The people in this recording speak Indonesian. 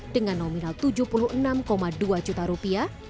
dengan nominal tujuh puluh enam dua juta rupiah